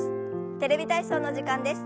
「テレビ体操」の時間です。